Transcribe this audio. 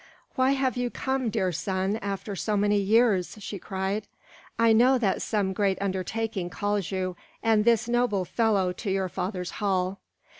"Why have you come, dear son, after so many years?" she cried. "I know that some great undertaking calls you and this noble fellow to your father's hall.